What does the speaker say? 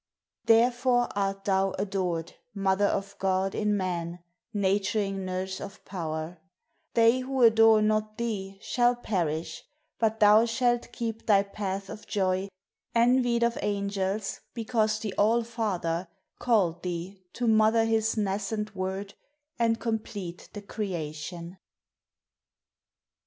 Therefore art thou ador'd Mother of God in man Naturing nurse of power: They who adore not thee shall perish But thou shalt keep thy path of joy Envied of Angels because the All father Call'd thee to mother his nascent Word And complete the creation.